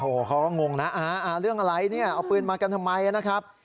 โอ้โหเขาก็งงนะเรื่องอะไรเนี่ยเอาปืนมากันทำไมนะครับ